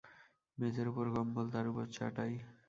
মেঝের উপর কম্বল, তার উপর চাটাই।